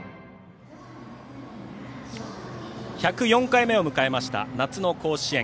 １０４回目を迎えました夏の甲子園。